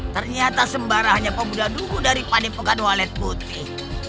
ternyata sembaranya pemuda dulu dari pandem pegan walet putih